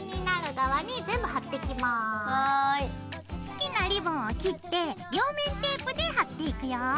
好きなリボンを切って両面テープで貼っていくよ！